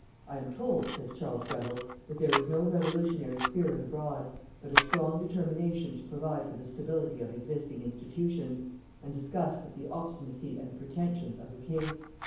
"I am told," says Charles Greville, "that there is no revolutionary spirit abroad, but a strong determination to provide for the stability of existing institutions, and disgust at the obstinacy and the pretensions of the king.